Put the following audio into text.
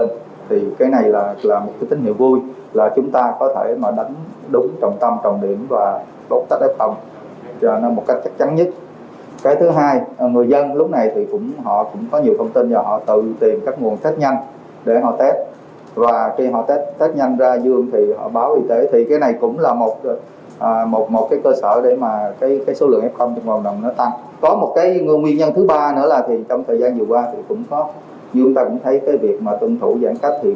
như chúng ta cũng thấy cái việc mà tuân thủ giãn cách thì có nơi này nơi kia